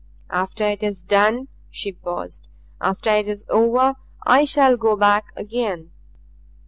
After it is done" she paused "after it is over I shall go back again.